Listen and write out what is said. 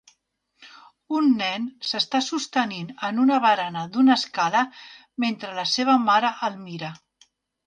Un nen s'està sostenint en una barana d'una escala mentre la seva mare el mira.